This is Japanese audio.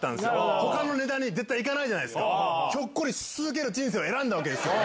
ほかのネタに絶対いかないじゃないですか、ひょっこりし続ける人生を選んだわけですよ。